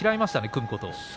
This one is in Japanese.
組むことを。